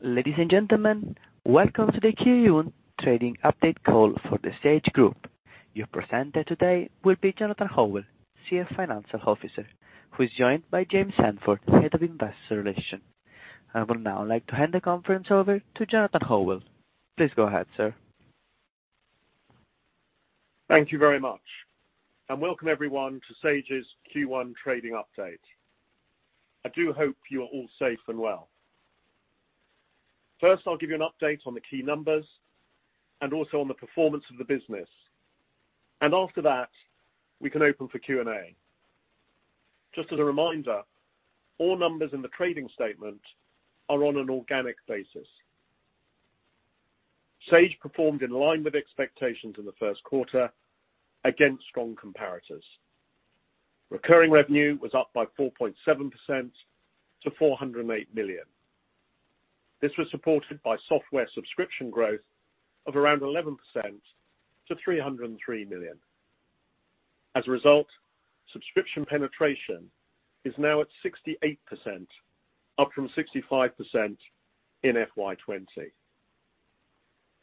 Ladies and gentlemen, welcome to the Q1 trading update call for The Sage Group. Your presenter today will be Jonathan Howell, Chief Financial Officer, who is joined by James Sandford, Head of Investor Relations. I would now like to hand the conference over to Jonathan Howell. Please go ahead, sir. Thank you very much, welcome everyone to Sage's Q1 trading update. I do hope you are all safe and well. First, I'll give you an update on the key numbers and also on the performance of the business. After that, we can open for Q&A. Just as a reminder, all numbers in the trading statement are on an organic basis. Sage performed in line with expectations in the first quarter against strong comparators. Recurring revenue was up by 4.7% to 408 million. This was supported by software subscription growth of around 11% to 303 million. As a result, subscription penetration is now at 68%, up from 65% in FY 2020.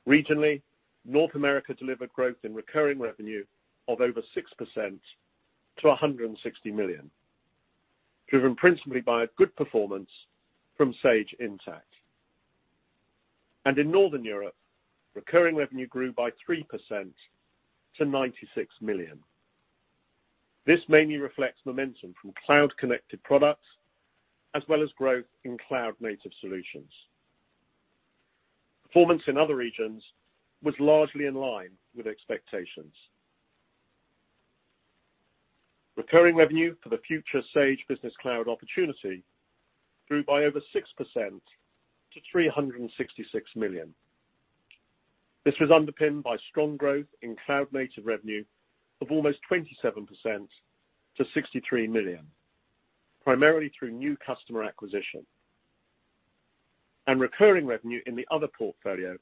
Regionally, North America delivered growth in recurring revenue of over 6% to 160 million, driven principally by a good performance from Sage Intacct. In Northern Europe, recurring revenue grew by 3% to 96 million. This mainly reflects momentum from cloud-connected products as well as growth in cloud-native solutions. Performance in other regions was largely in line with expectations. Recurring revenue for the future Sage Business Cloud opportunity grew by over 6% to 366 million. This was underpinned by strong growth in cloud-native revenue of almost 27% to 63 million, primarily through new customer acquisition. Recurring revenue in the other portfolio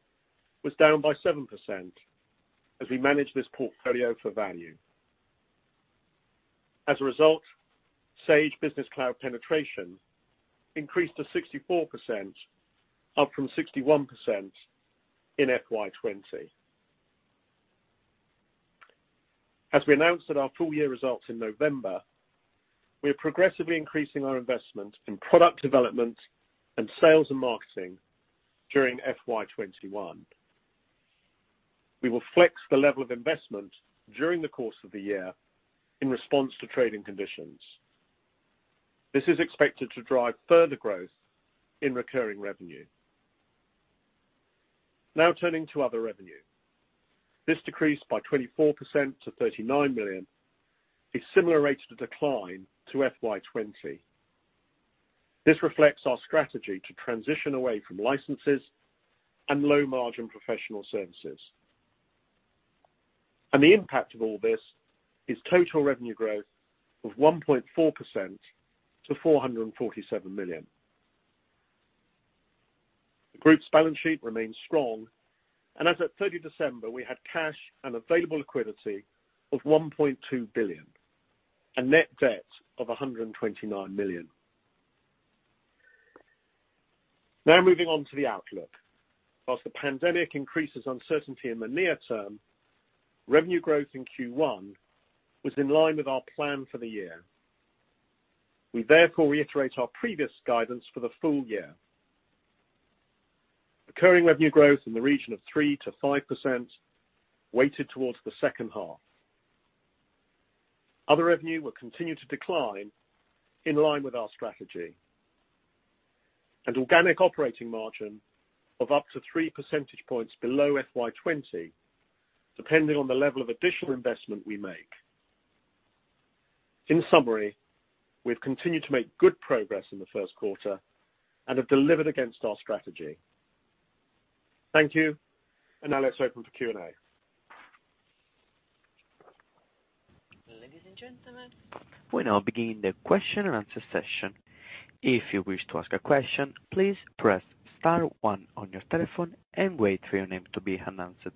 was down by 7% as we manage this portfolio for value. As a result, Sage Business Cloud penetration increased to 64%, up from 61% in FY 2020. As we announced at our full-year results in November, we are progressively increasing our investment in product development and sales and marketing during FY 2021. We will flex the level of investment during the course of the year in response to trading conditions. This is expected to drive further growth in recurring revenue. Turning to other revenue. This decreased by 24% to 39 million, a similar rate of decline to FY 2020. This reflects our strategy to transition away from licenses and low-margin professional services. The impact of all this is total revenue growth of 1.4% to GBP 447 million. The group's balance sheet remains strong, and as at 30 December, we had cash and available liquidity of 1.2 billion, a net debt of 129 million. Moving on to the outlook. Whilst the pandemic increases uncertainty in the near term, revenue growth in Q1 was in line with our plan for the year. We therefore reiterate our previous guidance for the full year. Recurring revenue growth in the region of 3%-5% weighted towards the second half. Other revenue will continue to decline in line with our strategy. With organic operating margin of up to three percentage points below FY 2020, depending on the level of additional investment we make. In summary, we've continued to make good progress in the first quarter and have delivered against our strategy. Thank you. Now let's open for Q&A. Ladies and gentlemen, we're now beginning the question and answer session. If you wish to ask a question, please press star one on your telephone and wait for your name to be announced.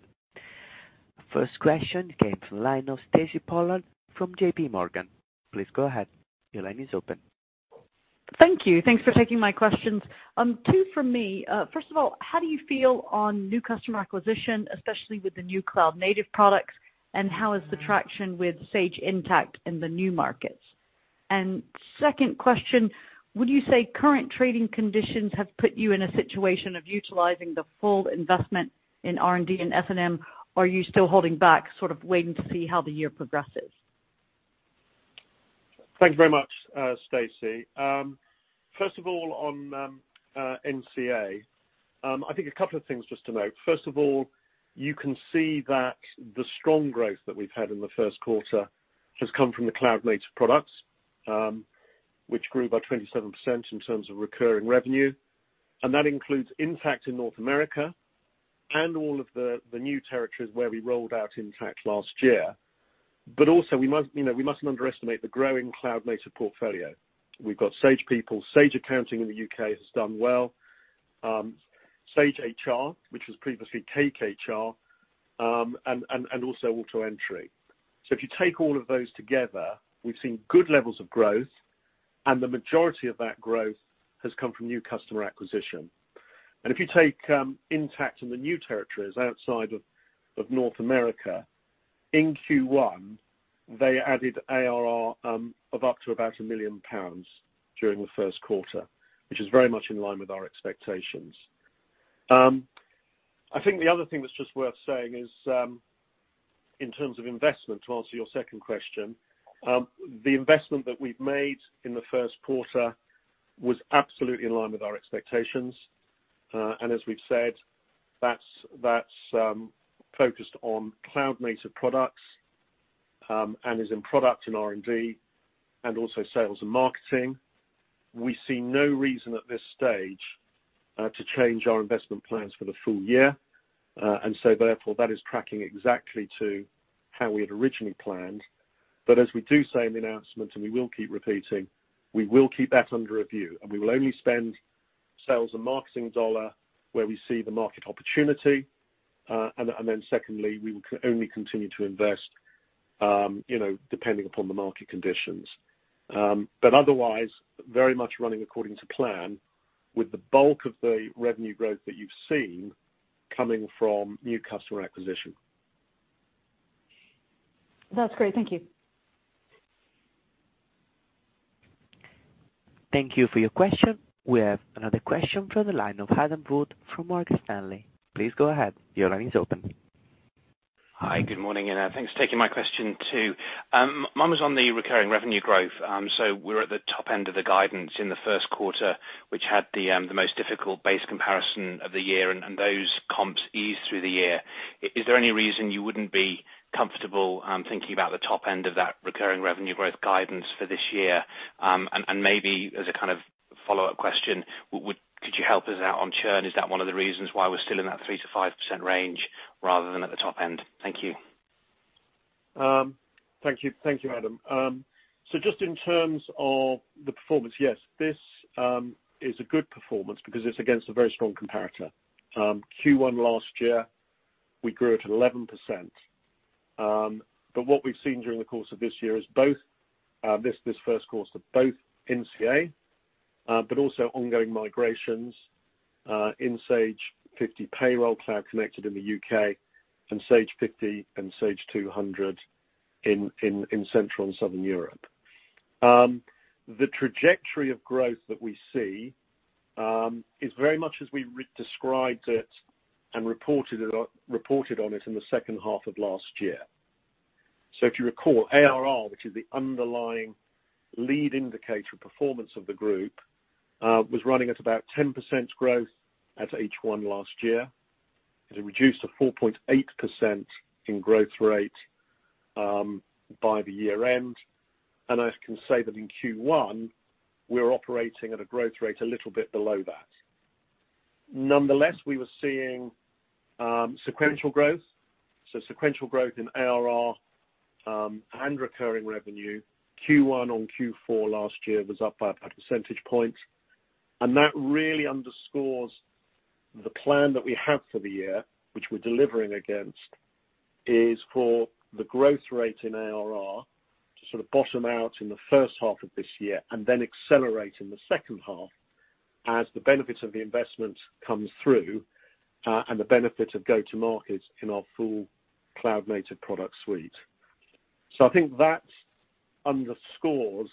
First question came from the line of Stacy Pollard from JPMorgan. Please go ahead. Your line is open. Thank you. Thanks for taking my questions. Two from me. First of all, how do you feel on new customer acquisition, especially with the new cloud-native products, and how is the traction with Sage Intacct in the new markets? Second question, would you say current trading conditions have put you in a situation of utilizing the full investment in R&D and S&M, or are you still holding back, sort of waiting to see how the year progresses? Thank you very much, Stacy. First of all, on NCA, I think a couple of things just to note. First of all, you can see that the strong growth that we've had in the first quarter has come from the cloud-native products, which grew by 27% in terms of recurring revenue, and that includes Intacct in North America and all of the new territories where we rolled out Intacct last year. Also we mustn't underestimate the growing cloud-native portfolio. We've got Sage People, Sage Accounting in the U.K. has done well. Sage HR, which was previously CakeHR, and also AutoEntry. If you take all of those together, we've seen good levels of growth, and the majority of that growth has come from new customer acquisition. If you take Intacct in the new territories outside of North America, in Q1, they added ARR of up to about 1 million pounds during the first quarter, which is very much in line with our expectations. I think the other thing that's just worth saying is, in terms of investment, to answer your second question, the investment that we've made in the first quarter was absolutely in line with our expectations. As we've said, that's focused on cloud-native products, and is in product in R&D, and also sales and marketing. We see no reason at this stage to change our investment plans for the full year. Therefore that is tracking exactly to how we had originally planned. As we do say in the announcement, and we will keep repeating, we will keep that under review, and we will only spend sales and marketing dollar where we see the market opportunity. Secondly, we will only continue to invest depending upon the market conditions. Otherwise, very much running according to plan with the bulk of the revenue growth that you've seen coming from new customer acquisition. That's great. Thank you. Thank you for your question. We have another question from the line of Adam Wood from Morgan Stanley. Please go ahead. Your line is open. Hi. Good morning, and thanks for taking my question too. Mine was on the recurring revenue growth. We're at the top end of the guidance in the first quarter, which had the most difficult base comparison of the year, and those comps ease through the year. Is there any reason you wouldn't be comfortable thinking about the top end of that recurring revenue growth guidance for this year? Maybe as a kind of follow-up question, could you help us out on churn? Is that one of the reasons why we're still in that 3%-5% range rather than at the top end? Thank you. Thank you, Adam. Just in terms of the performance, yes, this is a good performance because it's against a very strong comparator. Q1 last year, we grew at 11%, but what we've seen during the course of this year is both this first quarter of both NCA, but also ongoing migrations in Sage 50 Payroll, cloud-connected in the U.K., and Sage 50 and Sage 200 in Central and Southern Europe. The trajectory of growth that we see is very much as we described it and reported on it in the second half of last year. If you recall, ARR, which is the underlying lead indicator performance of the group, was running at about 10% growth at H1 last year. It reduced to 4.8% in growth rate by the year-end. I can say that in Q1, we're operating at a growth rate a little bit below that. Nonetheless, we were seeing sequential growth. Sequential growth in ARR and recurring revenue. Q1 on Q4 last year was up by a percentage point. That really underscores the plan that we have for the year, which we're delivering against, is for the growth rate in ARR to sort of bottom out in the first half of this year and then accelerate in the second half as the benefit of the investment comes through, and the benefit of go-to-market in our full cloud-native product suite. I think that underscores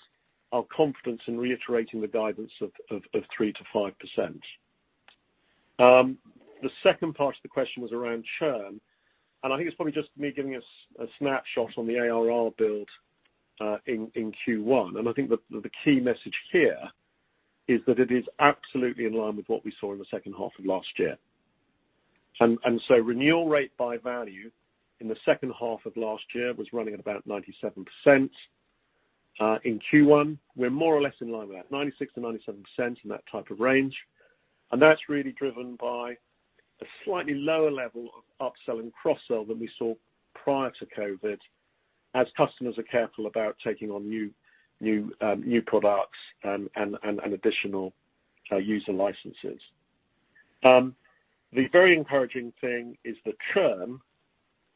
our confidence in reiterating the guidance of 3%-5%. The second part of the question was around churn, and I think it's probably just me giving a snapshot on the ARR build in Q1. I think the key message here is that it is absolutely in line with what we saw in the second half of last year. Renewal rate by value in the second half of last year was running at about 97%. In Q1, we're more or less in line with that, 96%-97%, in that type of range. That's really driven by a slightly lower level of upsell and cross-sell than we saw prior to COVID as customers are careful about taking on new products and additional user licenses. The very encouraging thing is the churn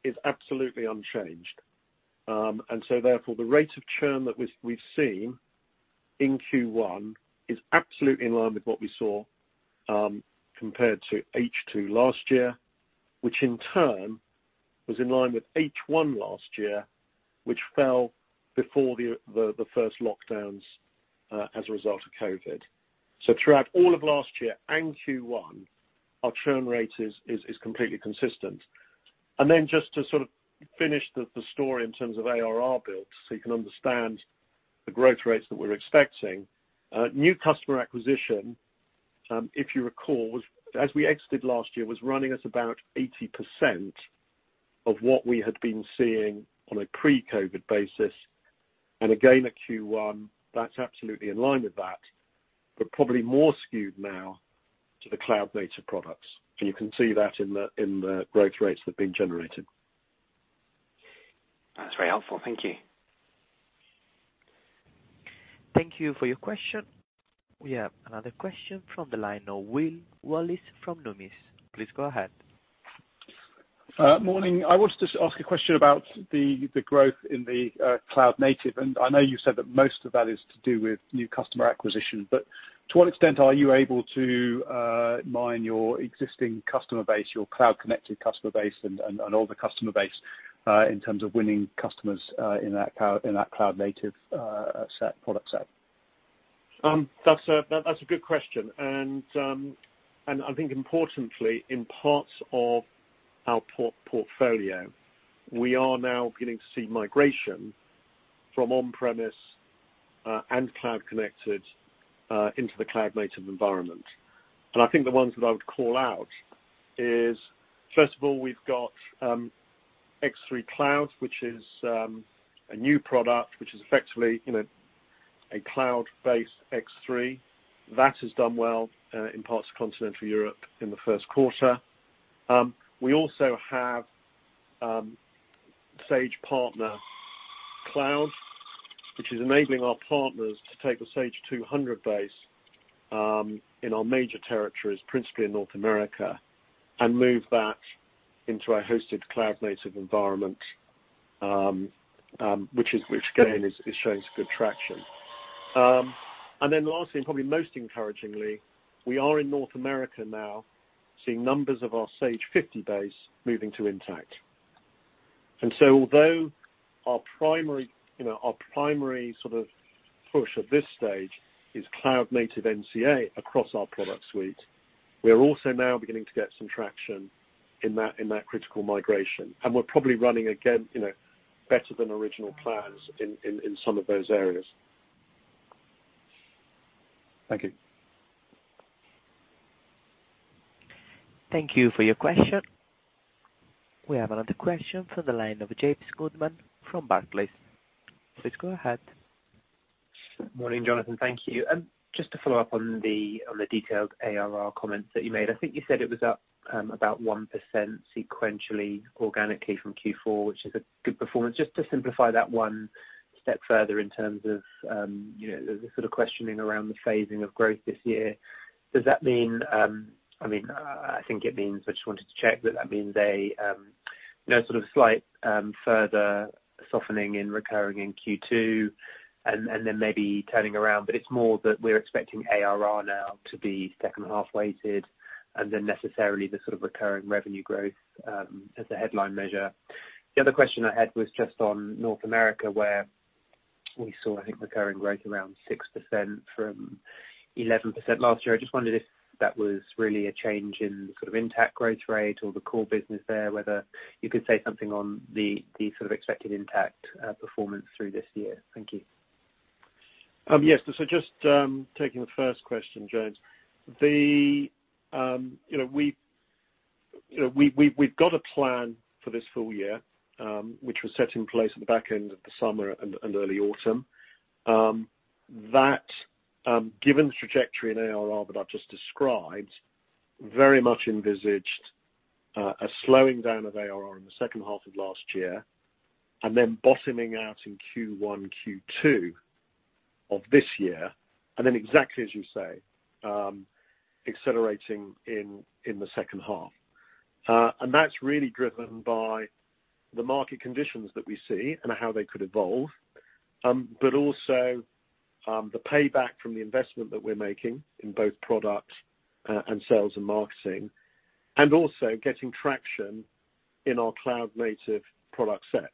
is absolutely unchanged. Therefore, the rate of churn that we've seen in Q1 is absolutely in line with what we saw compared to H2 last year, which in turn was in line with H1 last year, which fell before the first lockdowns as a result of COVID. Throughout all of last year and Q1, our churn rate is completely consistent. Just to sort of finish the story in terms of ARR builds so you can understand the growth rates that we're expecting. New customer acquisition, if you recall, as we exited last year, was running at about 80% of what we had been seeing on a pre-COVID basis. Again, at Q1, that's absolutely in line with that, but probably more skewed now to the cloud-native products. You can see that in the growth rates that have been generated. That's very helpful. Thank you. Thank you for your question. We have another question from the line of Will Wallis from Numis. Please go ahead. Morning. I wanted to ask a question about the growth in the cloud native. I know you said that most of that is to do with new customer acquisition. To what extent are you able to mine your existing customer base, your cloud-connected customer base and older customer base, in terms of winning customers in that cloud native product set? That's a good question. I think importantly, in parts of our portfolio, we are now beginning to see migration from on-premise and cloud connected into the cloud native environment. I think the ones that I would call out is, first of all, we've got X3 Cloud, which is a new product which is effectively a cloud-based X3. That has done well in parts of Continental Europe in the first quarter. We also have Sage Partner Cloud, which is enabling our partners to take the Sage 200 base, in our major territories, principally in North America, and move that into a hosted cloud native environment, which again, is showing some good traction. Lastly, and probably most encouragingly, we are in North America now seeing numbers of our Sage 50 base moving to Intacct. Although our primary sort of push at this stage is cloud native NCA across our product suite, we are also now beginning to get some traction in that critical migration, and we're probably running again better than original plans in some of those areas. Thank you. Thank you for your question. We have another question from the line of James Goodman from Barclays. Please go ahead. Morning, Jonathan. Thank you. To follow up on the detailed ARR comments that you made. I think you said it was up about 1% sequentially organically from Q4, which is a good performance. To simplify that one step further in terms of the sort of questioning around the phasing of growth this year. I think it means, I just wanted to check that that means a sort of slight further softening in recurring in Q2 and then maybe turning around. It's more that we're expecting ARR now to be second half weighted and then necessarily the sort of recurring revenue growth as a headline measure. The other question I had was just on North America, where we saw, I think, recurring growth around 6% from 11% last year. I just wondered if that was really a change in the sort of Intacct growth rate or the core business there, whether you could say something on the sort of expected Intacct performance through this year. Thank you. Yes. Just taking the first question, James. We've got a plan for this full year, which was set in place at the back end of the summer and early autumn. That, given the trajectory in ARR that I've just described, very much envisaged a slowing down of ARR in the second half of last year and then bottoming out in Q1, Q2 of this year, and then exactly as you say, accelerating in the second half. That's really driven by the market conditions that we see and how they could evolve. Also, the payback from the investment that we're making in both product and sales and marketing, and also getting traction in our cloud native product set,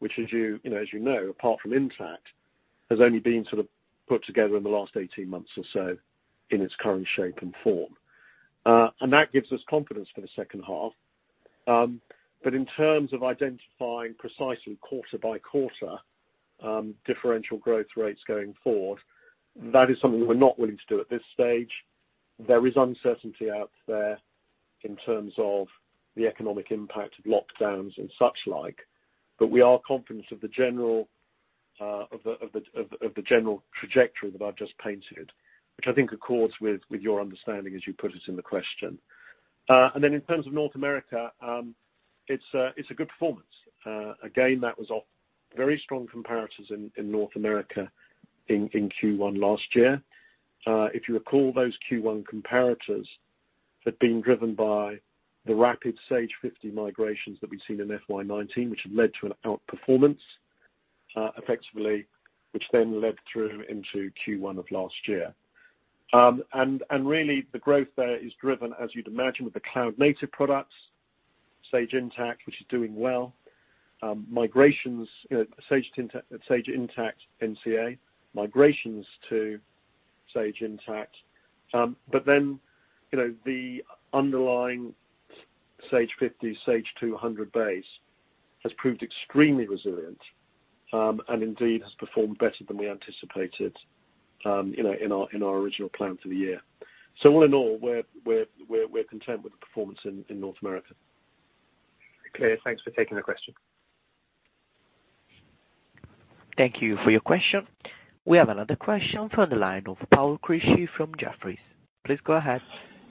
which as you know, apart from Intacct, has only been sort of put together in the last 18 months or so in its current shape and form. That gives us confidence for the second half. In terms of identifying precisely quarter by quarter differential growth rates going forward, that is something we're not willing to do at this stage. There is uncertainty out there in terms of the economic impact of lockdowns and such like, but we are confident of the general trajectory that I've just painted, which I think accords with your understanding, as you put it in the question. In terms of North America, it's a good performance. Again, that was off very strong comparators in North America in Q1 last year. If you recall, those Q1 comparators had been driven by the rapid Sage 50 migrations that we'd seen in FY 2019, which had led to an outperformance, effectively, which then led through into Q1 of last year. Really the growth there is driven, as you'd imagine, with the cloud native products, Sage Intacct, which is doing well. Sage Intacct NCA migrations to Sage Intacct. The underlying Sage 50, Sage 200 base has proved extremely resilient, and indeed has performed better than we anticipated in our original plan for the year. All in all, we're content with the performance in North America. Clear. Thanks for taking the question. Thank you for your question. We have another question from the line of Paul Crisci from Jefferies. Please go ahead.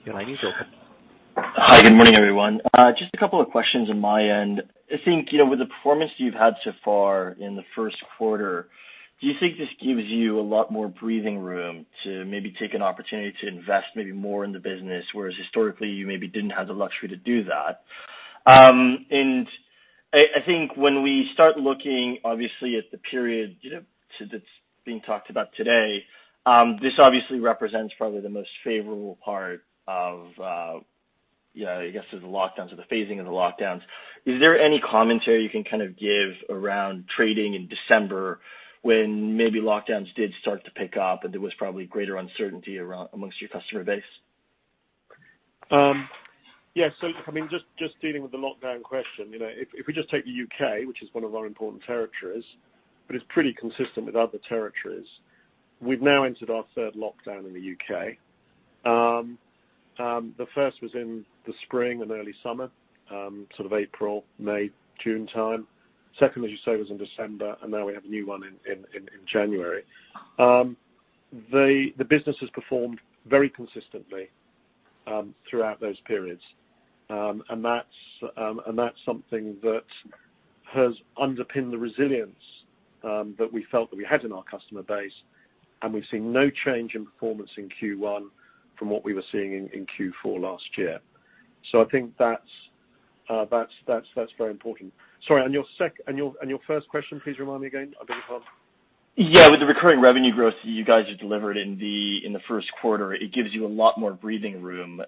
Your line is open Hi. Good morning, everyone. Just a couple of questions on my end. I think, with the performance you've had so far in the first quarter, do you think this gives you a lot more breathing room to maybe take an opportunity to invest maybe more in the business, whereas historically you maybe didn't have the luxury to do that? I think when we start looking, obviously, at the period that's being talked about today, this obviously represents probably the most favorable part of the phasing of the lockdowns. Is there any commentary you can give around trading in December when maybe lockdowns did start to pick up, and there was probably greater uncertainty amongst your customer base? Yeah. Just dealing with the lockdown question. If we just take the U.K., which is one of our important territories, but is pretty consistent with other territories, we've now entered our third lockdown in the U.K. The first was in the spring and early summer, sort of April, May, June time. Second, as you say, was in December, and now we have a new one in January. The business has performed very consistently throughout those periods. That's something that has underpinned the resilience that we felt that we had in our customer base, and we've seen no change in performance in Q1 from what we were seeing in Q4 last year. I think that's very important. Sorry, and your first question, please remind me again? I beg your pardon. Yeah. With the recurring revenue growth that you guys have delivered in the first quarter, it gives you a lot more breathing room,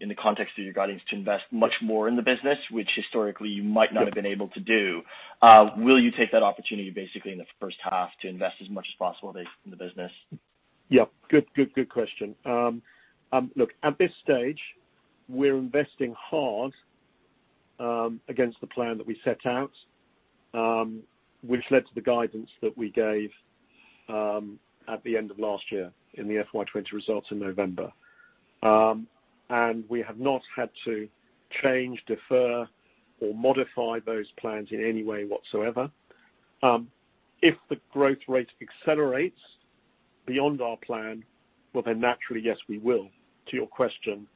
in the context of your guidance, to invest much more in the business, which historically you might not have been able to do. Will you take that opportunity, basically, in the first half to invest as much as possible based in the business? Good question. Look, at this stage, we're investing hard against the plan that we set out, which led to the guidance that we gave at the end of last year in the FY 2020 results in November. We have not had to change, defer, or modify those plans in any way whatsoever. If the growth rate accelerates beyond our plan, well, then naturally, yes, we will, to your question,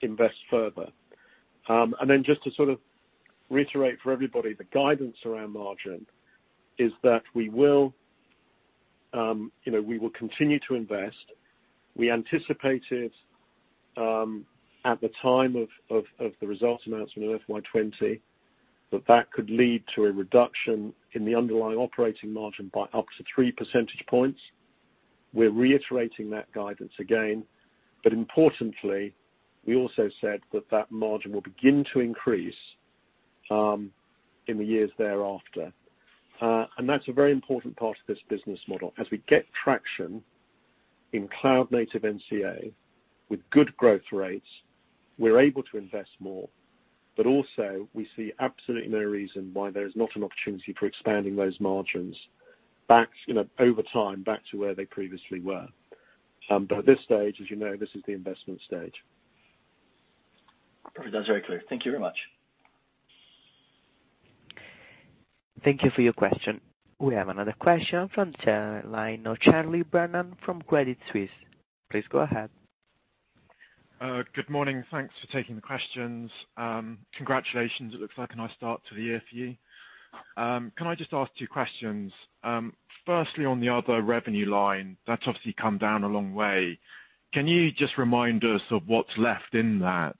invest further. Just to sort of reiterate for everybody, the guidance around margin is that we will continue to invest. We anticipated at the time of the results announcement of FY 2020 that that could lead to a reduction in the underlying operating margin by up to three percentage points. We're reiterating that guidance again. Importantly, we also said that that margin will begin to increase in the years thereafter. That's a very important part of this business model. As we get traction in cloud native NCA with good growth rates, we're able to invest more, but also we see absolutely no reason why there is not an opportunity for expanding those margins over time back to where they previously were. At this stage, as you know, this is the investment stage. Perfect. That's very clear. Thank you very much. Thank you for your question. We have another question from the line of Charlie Brennan from Credit Suisse. Please go ahead. Good morning. Thanks for taking the questions. Congratulations. It looks like a nice start to the year for you. Can I just ask two questions? Firstly, on the other revenue line, that's obviously come down a long way. Can you just remind us of what's left in that,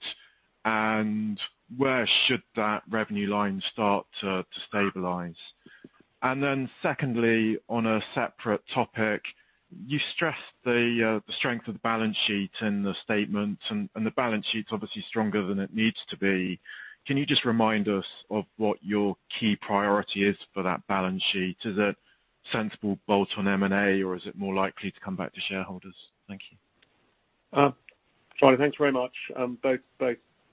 and where should that revenue line start to stabilize? Secondly, on a separate topic, you stressed the strength of the balance sheet and the statement, and the balance sheet's obviously stronger than it needs to be. Can you just remind us of what your key priority is for that balance sheet? Is it sensible bolt-on M&A, or is it more likely to come back to shareholders? Thank you. Charlie, thanks very much. Both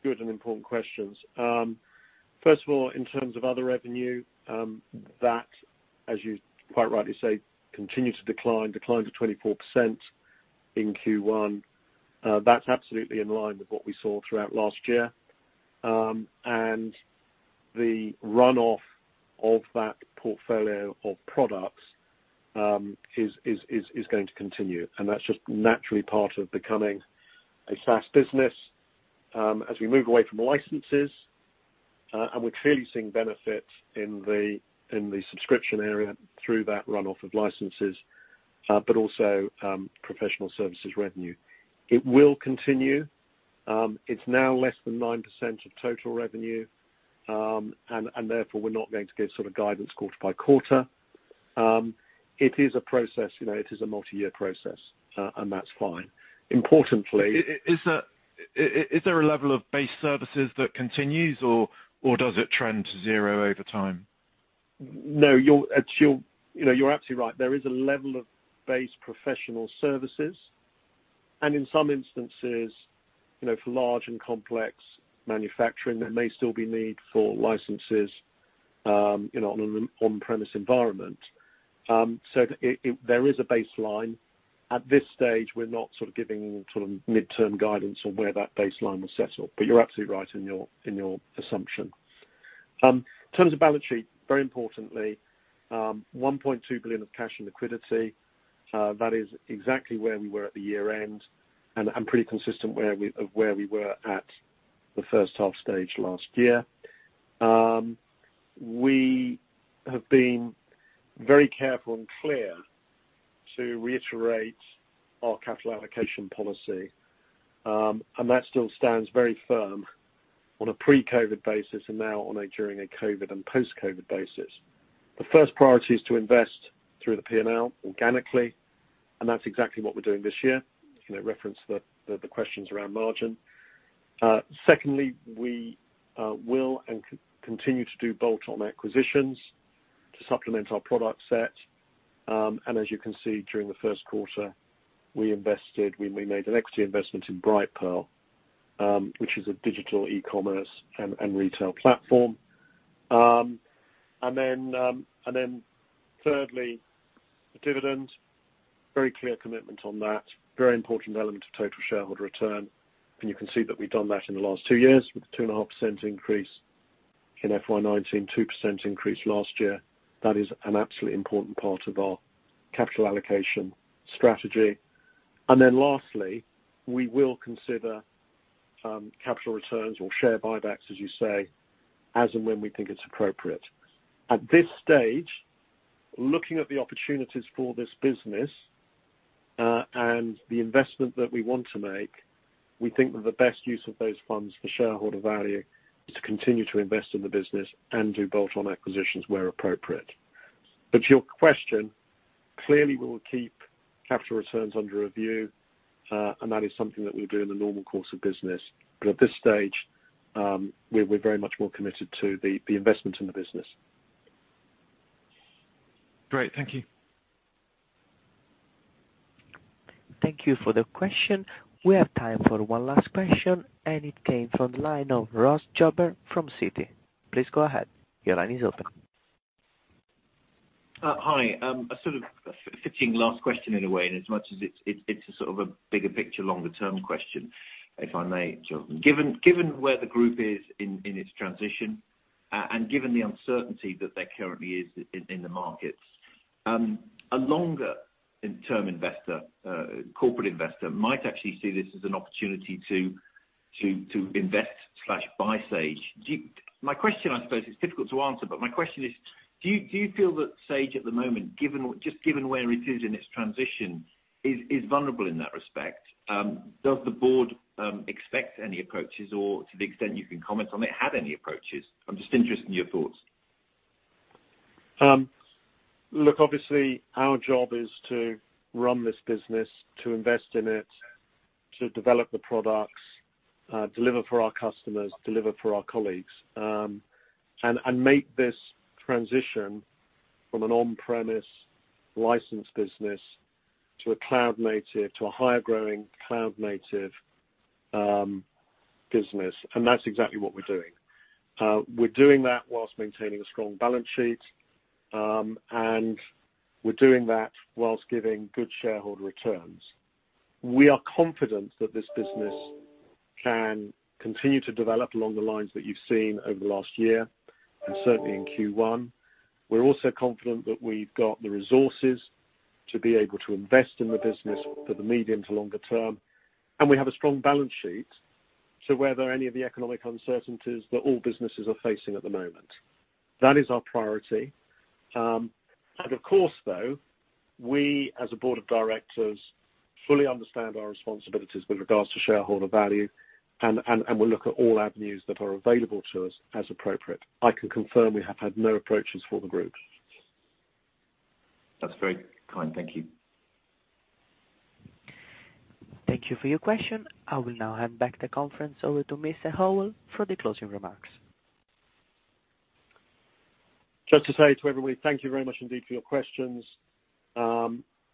good and important questions. First of all, in terms of other revenue, that, as you quite rightly say, continued to decline, declined to 24% in Q1. That's absolutely in line with what we saw throughout last year. The runoff of that portfolio of products is going to continue, and that's just naturally part of becoming a SaaS business as we move away from licenses. We're clearly seeing benefit in the subscription area through that runoff of licenses, but also professional services revenue. It will continue. It's now less than 9% of total revenue, and therefore we're not going to give sort of guidance quarter by quarter. It is a multi-year process, and that's fine. Is there a level of base services that continues, or does it trend to zero over time? No. You're absolutely right. There is a level of base professional services, and in some instances, for large and complex manufacturing, there may still be need for licenses on an on-premise environment. There is a baseline. At this stage, we're not sort of giving midterm guidance on where that baseline will settle. You're absolutely right in your assumption. In terms of balance sheet, very importantly, 1.2 billion of cash and liquidity. That is exactly where we were at the year-end, and pretty consistent of where we were at the first half stage last year. We have been very careful and clear to reiterate our capital allocation policy, and that still stands very firm on a pre-COVID basis, and now during a COVID and post-COVID basis. The first priority is to invest through the P&L organically, and that's exactly what we're doing this year, reference the questions around margin. Secondly, we will and continue to do bolt-on acquisitions to supplement our product set. As you can see, during the first quarter, we made an equity investment in Brightpearl, which is a digital e-commerce and retail platform. Thirdly, the dividend, very clear commitment on that. Very important element of total shareholder return, and you can see that we've done that in the last two years with a 2.5% increase in FY 2019, 2% increase last year. That is an absolutely important part of our capital allocation strategy. Lastly, we will consider capital returns or share buybacks, as you say, as and when we think it's appropriate. At this stage, looking at the opportunities for this business, and the investment that we want to make, we think that the best use of those funds for shareholder value is to continue to invest in the business and do bolt-on acquisitions where appropriate. To your question, clearly, we will keep capital returns under review, and that is something that we'll do in the normal course of business. At this stage, we're very much more committed to the investment in the business. Great. Thank you. Thank you for the question. We have time for one last question. It came from the line of Ross Jobber from Citi. Please go ahead. Your line is open. Hi. A sort of fitting last question in a way, and as much as it's a sort of a bigger picture, longer-term question, if I may, Jonathan. Given where the group is in its transition and given the uncertainty that there currently is in the markets, a longer-term investor, corporate investor, might actually see this as an opportunity to invest/buy Sage. My question, I suppose, it's difficult to answer, but my question is, do you feel that Sage at the moment, just given where it is in its transition, is vulnerable in that respect? Does the board expect any approaches, or to the extent you can comment on it, had any approaches? I'm just interested in your thoughts. Look, obviously, our job is to run this business, to invest in it, to develop the products, deliver for our customers, deliver for our colleagues, and make this transition from an on-premise license business to a cloud native, to a higher-growing cloud native business. That's exactly what we're doing. We're doing that whilst maintaining a strong balance sheet, and we're doing that whilst giving good shareholder returns. We are confident that this business can continue to develop along the lines that you've seen over the last year, and certainly in Q1. We're also confident that we've got the resources to be able to invest in the business for the medium to longer term, and we have a strong balance sheet to weather any of the economic uncertainties that all businesses are facing at the moment. That is our priority. Of course, though, we, as a board of directors, fully understand our responsibilities with regards to shareholder value, and will look at all avenues that are available to us as appropriate. I can confirm we have had no approaches for the group. That's very kind. Thank you. Thank you for your question. I will now hand back the conference over to Mr. Howell for the closing remarks. Just to say to everybody, thank you very much indeed for your questions.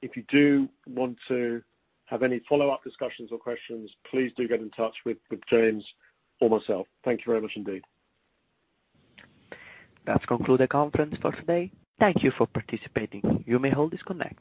If you do want to have any follow-up discussions or questions, please do get in touch with James or myself. Thank you very much indeed. That concludes the conference for today. Thank you for participating. You may all disconnect.